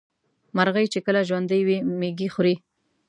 مرغۍ چې کله ژوندۍ وي مېږي خوري.